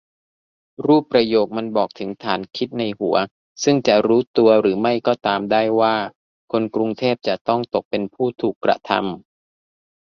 รูปประโยคมันบอกถึงฐานคิดในหัวซึ่งจะรู้ตัวหรือไม่ตามได้ว่า คนกรุงเทพจะต้องตกเป็นผู้ถูกกระทำ